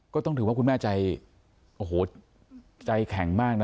ก็ต้องถึงว่าคุณแม่ใจใจแข็งมากนะ